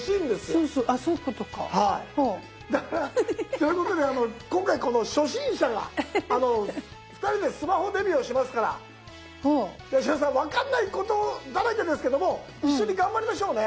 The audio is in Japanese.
そういうことで今回この初心者が２人でスマホデビューをしますから八代さん分かんないことだらけですけども一緒に頑張りましょうね。